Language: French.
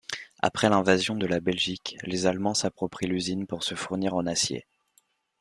Après l'invasion de la Belgique, les Allemands s’approprient l'usine pour se fournir en acier.